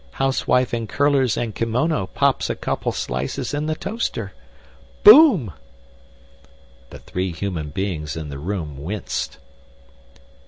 Housewife in curlers and kimono pops a couple slices in the toaster. Boom!" The three human beings in the room winced.